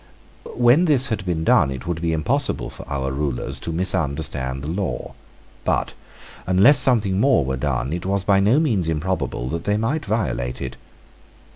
When this had been done it would be impossible for our rulers to misunderstand the law: but, unless something more were done, it was by no means improbable that they might violate it.